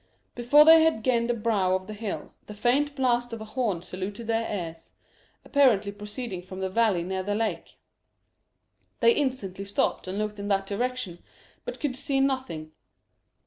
Before they had gained the brow of the hill the faint blast of a horn saluted their ears, apparently proceeding from the valley near the lake. They instantly stopped and looked in that direction, but could see nothing.